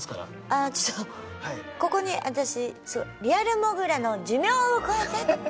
あちょっとここに私「リアルもぐらの寿命をこえて！」。